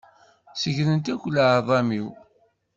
Segrent akk leεḍam-iw.